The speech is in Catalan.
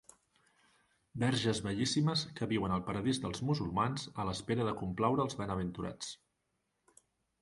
Verges bellíssimes que viuen al paradís dels musulmans a l'espera de complaure els benaventurats.